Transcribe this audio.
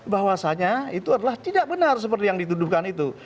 bahwasanya itu adalah tidak benar seperti yang dituduhkan itu